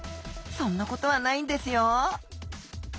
そんなことはないんですよ。